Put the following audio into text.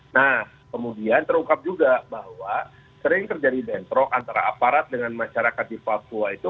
nah kemudian terungkap juga bahwa sering terjadi bentrok antara aparat dengan masyarakat di papua itu